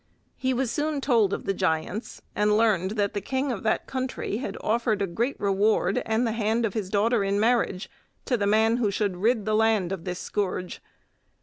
He was soon told of the giants, and learned that the King of the country had offered a great reward and the hand of his daughter in marriage to the man who should rid his land of this scourge.